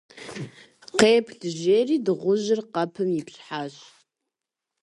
- Къеплъ, - жери дыгъужьыр къэпым ипщхьащ.